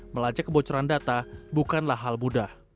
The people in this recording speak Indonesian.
melacak kebocoran data bukanlah hal mudah